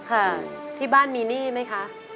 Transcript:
ค่ะที่บ้านมีหนี้ไหมคะ